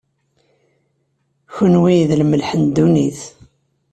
kenwi, d lmelḥ n ddunit.